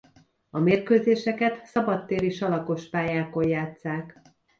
A mérkőzéseket szabadtéri salakos pályákon játsszák.